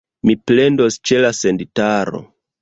Mi plendos ĉe la senditaro.